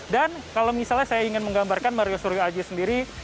dan kalau misalnya saya ingin menggambarkan mario surya aji sendiri